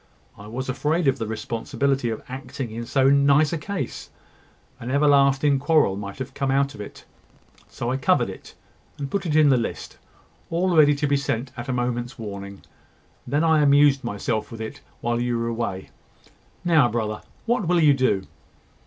I was afraid of the responsibility of acting in so nice a case. An everlasting quarrel might come out of it: so I covered it, and put in the list, all ready to be sent at a moment's warning; and then I amused myself with it while you were away. Now, brother, what will you do?"